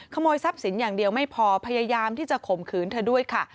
ขโมยทรัพย์สินอย่างเดียวไม่พอพยายามที่จะข่มขืนเธอด้วยค่ะ